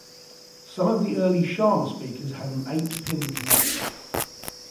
Some of the early Sharma speakers had an eight pin connector.